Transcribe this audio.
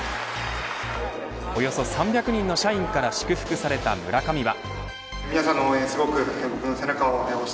およそ３００人の社員から祝福された村上は。